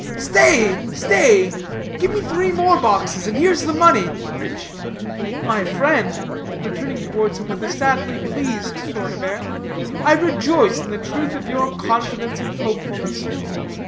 "Stay, stay; give me three more boxes, and here's the money." "My friend," returning towards him with a sadly pleased sort of air, "I rejoice in the birth of your confidence and hopefulness.